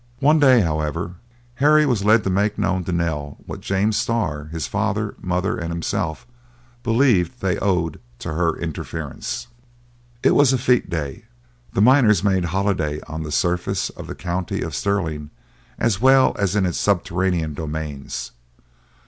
One day, however, Harry was led to make known to Nell what James Starr, his father, mother, and himself believed they owed to her interference. It was a fête day. The miners made holiday on the surface of the county of Stirling as well as in its subterraneous domains.